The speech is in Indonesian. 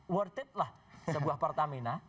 worth it lah sebuah pertamina